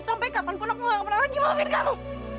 sampai kapanpun aku gak akan pernah lagi maafin kamu